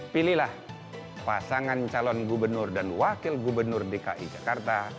pilihlah pasangan calon gubernur dan wakil gubernur dki jakarta